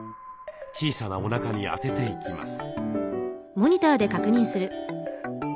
小さなおなかに当てていきます。